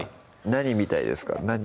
何みたいですか？